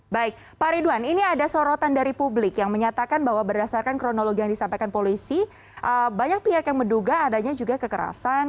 baik pak ridwan ini ada sorotan dari publik yang menyatakan bahwa berdasarkan kronologi yang disampaikan polisi banyak pihak yang menduga adanya juga kekerasan